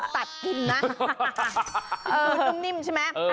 ตัดกินนะพื้นนิ่มใช่ไหม